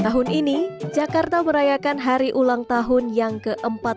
tahun ini jakarta merayakan hari ulang tahun yang ke empat puluh lima